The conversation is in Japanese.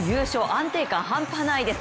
安定感半端ないです。